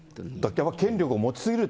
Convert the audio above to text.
権力を持ち過ぎると。